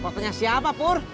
tanya siapa pur